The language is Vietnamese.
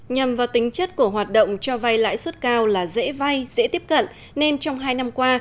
nhằm vào tính chất của hoạt động cho vay lãi suất cao là dễ vay dễ tiếp cận nên trong hai năm qua